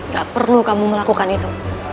gak perlu kamu melakukan itu